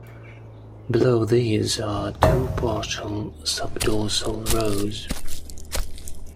Below these are two partial subdorsal rows.